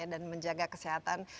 dan menjaga kesehatan